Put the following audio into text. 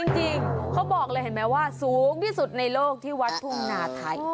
จริงเขาบอกเลยเห็นไหมว่าสูงที่สุดในโลกที่วัดทุ่งนาไทย